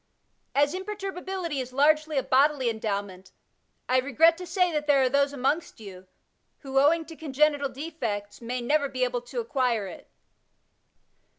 As imperturbability is largely a bodily endowment, I regret to say that there are those amongst you, who, owing to congenital defects, may never be able to acquire it.